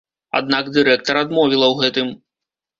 Аднак дырэктар адмовіла ў гэтым.